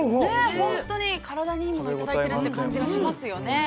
◆本当に体にいいものをいただいているという感じがしますよね。